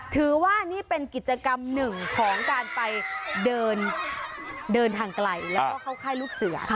ถือว่านี่เป็นกิจกรรมหนึ่งของการไปเดินทางไกลแล้วก็เข้าค่ายลูกเสือ